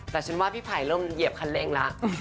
แต่ฉันว่าพี่ไผ่เริ่มเหยียบคันเร่งแล้ว